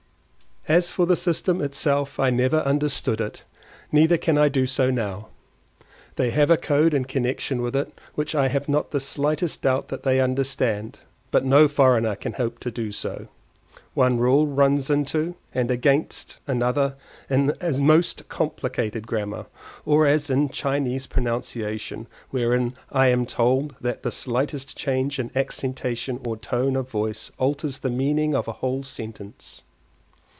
As for the system itself I never understood it, neither can I do so now: they have a code in connection with it, which I have not the slightest doubt that they understand, but no foreigner can hope to do so. One rule runs into, and against, another as in a most complicated grammar, or as in Chinese pronunciation, wherein I am told that the slightest change in accentuation or tone of voice alters the meaning of a whole sentence.